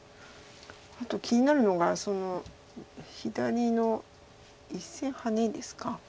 あと気になるのが左の１線ハネですか。